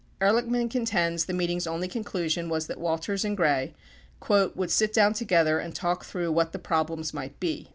26 Ehrlichman contends the meeting's only conclusion was that Walters and Gray "would sit down together and talk through what the prob lem might be."